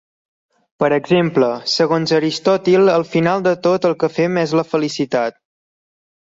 Per exemple, segons Aristòtil al final de tot el que fem és la felicitat.